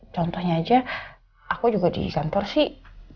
contohnya aja aku juga di kantor sih